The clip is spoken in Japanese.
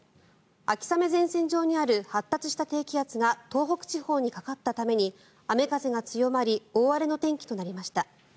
秋雨前線上にある発達した低気圧が東北地方にかかったために雨風が強まり大荒れの天気となりました。